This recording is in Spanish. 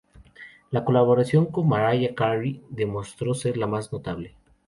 La colaboración con Mariah Carey demostró ser la más notable.